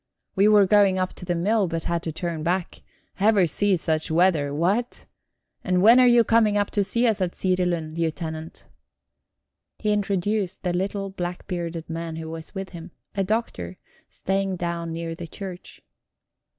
"We were going up to the mill, but had to turn back. Ever see such weather what? And when are you coming up to see us at Sirilund, Lieutenant?" He introduced the little black bearded man who was with him; a doctor, staying down near the church.